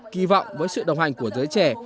kỳ vọng với sự đồng hành của giới trẻ